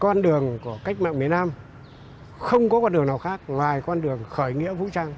con đường của cách mạng miền nam không có con đường nào khác ngoài con đường khởi nghĩa vũ trang